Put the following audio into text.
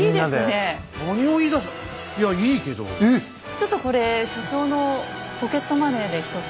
ちょっとこれ所長のポケットマネーでひとつ。